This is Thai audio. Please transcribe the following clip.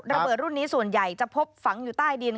ระเบิดรุ่นนี้ส่วนใหญ่จะพบฝังอยู่ใต้ดิน